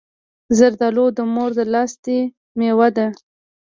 زردالو د مور د لاستی مېوه ده.